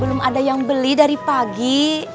belum ada yang beli dari pagi